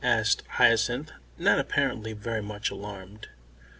asked Hyacinth, not apparently very much alarmed.